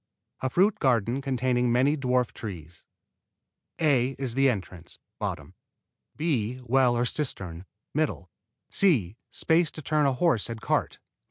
24 A FRUIT GARDEN CONTAINING MANY DWARF TREES A is the entrance; B, well or cistern; C, space to turn a horse and cart.